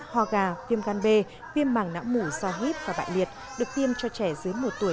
ho gà viêm gan b viêm màng não mủ do hít và bại liệt được tiêm cho trẻ dưới một tuổi